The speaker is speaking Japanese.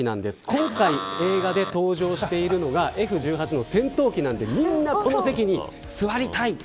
今回映画で登場しているのがＦ‐１８戦闘機なのでみんな、この席に座りたい